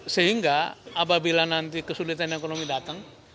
sehingga apabila nanti kesulitan ekonomi datang